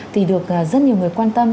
thì được rất nhiều người quan tâm